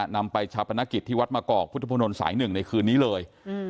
นำไปชาปนกิจที่วัดมะกอกพุทธนลสาย๑ในคืนนี้เลย